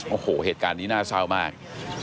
โอ้โหเหตุการณ์นี้น่าเศร้ามาก